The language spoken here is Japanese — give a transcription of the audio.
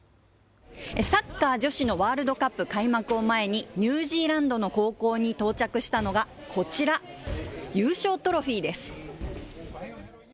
サッカー女子のワールドカップ開幕を前にニュージーランドの高校に到着したのがこちら、優勝トロフィーです。